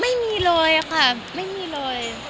ไม่มีเลยค่ะไม่มีเลย